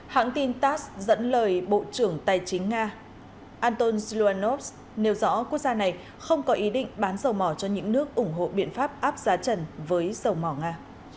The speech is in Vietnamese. hãng tin tass dẫn lời bộ trưởng tài chính nga anton zelenovs nêu rõ quốc gia này không có ý định bán dầu mỏ cho những nước ủng hộ biện pháp áp giá trần với dầu mỏ nga